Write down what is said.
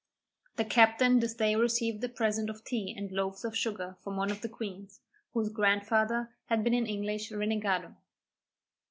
The captain this day received a present of tea and loaves of sugar from one of the queens, whose grandfather had been an English renegado.